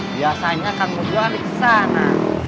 biasanya kamu jual ke sana